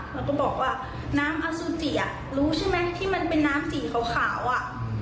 แล้วก็บอกว่าน้ำอสุจิอ่ะรู้ใช่ไหมที่มันเป็นน้ำสีขาวอ่ะ